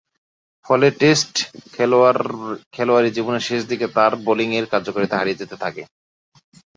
ফলে টেস্ট খেলোয়াড়ী জীবনের শেষ দিকে তার বোলিংয়ের কার্যকারিতা হারিয়ে যেতে থাকে।